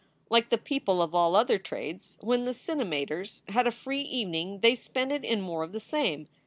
Like the people of all other trades, when the cinemators had a free evening they spent it in more of the same.